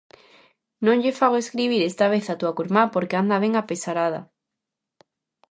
Non lle fago escribir esta vez á túa curmá porque anda ben apesarada.